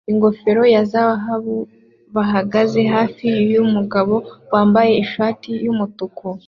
ingofero ya zahabu bahagaze hafi yumugabo wambaye ishati yumutuku